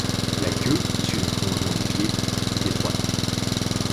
La queue, issue d'un prolongement du pied, est étroite.